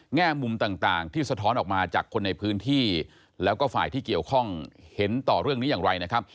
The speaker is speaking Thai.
แง่มุมต่างที่สะท้อนออกมาจากคนในพื้นที่แล้วก็ฝ่ายที่เกี่ยวข้องเห็นต่อเรื่องนี้อย่างไรนะครับ